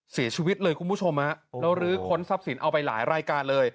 เสียชีวิตเลยคุณผู้ชมฮะแล้วลื้อค้นทรัพย์สินเอาไปหลายรายการเลย